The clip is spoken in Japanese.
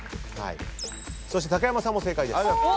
そして竹山さんも正解です。